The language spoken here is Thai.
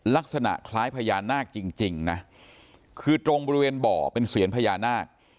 ลักษณะคล้ายพญานาคจริงนะคือตรงบริเวณบ่อเป็นเซียนพญานาค